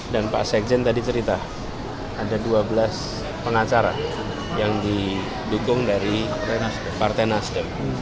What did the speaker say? dan pak sekjen tadi cerita ada dua belas pengacara yang didukung dari partai nasdem